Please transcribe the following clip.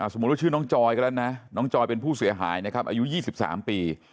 สมมุติว่าชื่อน้องจอยก็แล้วนะน้องจอยเป็นผู้เสียหายนะครับอายุ๒๓ปี